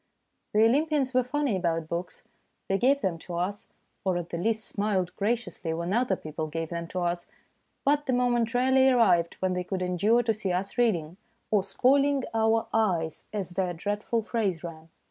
The Olympians were funny about books. They gave them to us, or at the least smiled graciously when other people gave them to us, but the moment rarely arrived when they could endure to see us reading, or spoiling our eyes as their dread ful phrase ran.